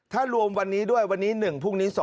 ถ้ารวมวันนี้ด้วยวันนี้๑พรุ่งนี้๒